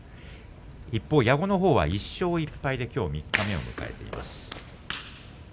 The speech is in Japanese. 一方、矢後は１勝１敗できょう三日目を迎えます。